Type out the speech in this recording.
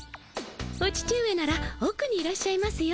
お父上ならおくにいらっしゃいますよ。